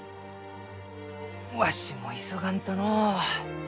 わしも急がんとのう。